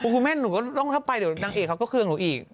คุณแม่หนูก็ต้องถ้าไปเดี๋ยวนางเอกเขาก็เครื่องหนูอีก